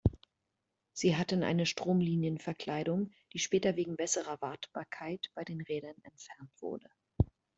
Sie hatten eine Stromlinienverkleidung, die später wegen besserer Wartbarkeit bei den Rädern entfernt wurde.